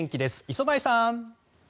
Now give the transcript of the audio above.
磯貝さん。